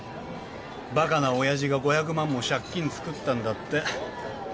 ばかなおやじが５００万も借金作ったんだって。